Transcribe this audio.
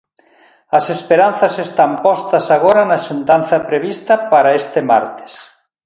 As esperanzas están postas agora na xuntanza prevista para este martes.